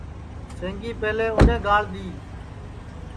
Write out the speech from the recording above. سینگی پیہلے راجِئین گاݪ دؔی